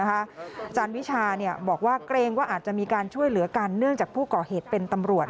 อาจารย์วิชาบอกว่าเกรงว่าอาจจะมีการช่วยเหลือกันเนื่องจากผู้ก่อเหตุเป็นตำรวจ